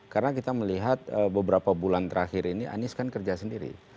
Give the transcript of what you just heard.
karena kita melihat beberapa bulan terakhir ini anies kan kerja sendiri